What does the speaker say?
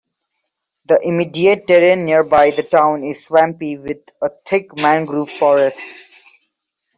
The immediate terrain nearby the town is swampy with a thick mangrove forest.